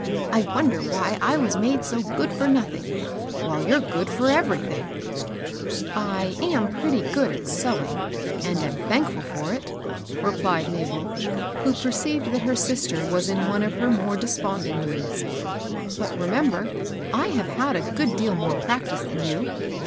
I wonder why I was made so good for nothmg, while you're good for everything 1 "" I am pretty good at sewing, and am thankftd for it," replied Mabel, who perceived that her sis ter was in one of her more desponding moods. " But remember, I have had a good deal more practice than you.